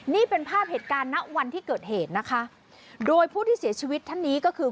นี่เป็นภาพเหตุการณ์ณวันที่เกิดเหตุนะคะโดยผู้ที่เสียชีวิตท่านนี้ก็คือ